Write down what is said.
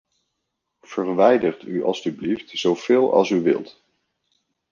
Verwijdert u alstublieft zo veel als u wilt.